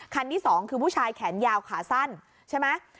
ที่สองคือผู้ชายแขนยาวขาสั้นใช่ไหม